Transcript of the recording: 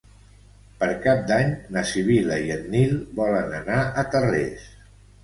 Per Cap d'Any na Sibil·la i en Nil volen anar a Tarrés.